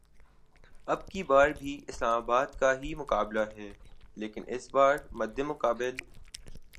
اب کی بار بھی اسلام آباد کا ہی مقابلہ ہے لیکن اس بار مدمقابل